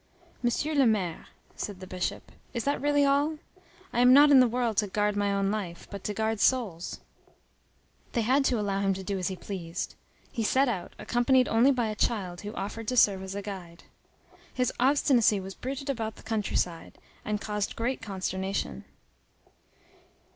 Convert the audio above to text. "Monsieur le maire," said the Bishop, "is that really all? I am not in the world to guard my own life, but to guard souls." They had to allow him to do as he pleased. He set out, accompanied only by a child who offered to serve as a guide. His obstinacy was bruited about the country side, and caused great consternation.